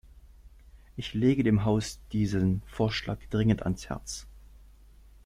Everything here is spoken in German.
Ich lege dem Haus diesen Vorschlag dringend ans Herz.